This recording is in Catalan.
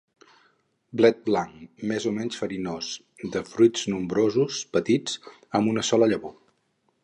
Blet blanc, més o menys farinós, de fruits nombrosos, petits, amb una sola llavor.